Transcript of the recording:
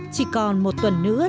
chỉ còn một tuần nữa